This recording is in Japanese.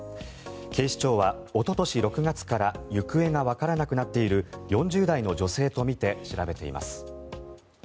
警視庁はおととし６月から行方がわからなくなっている４０代の女性とみて調べています。